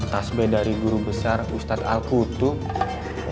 tas b dari guru besar ustadz al qutub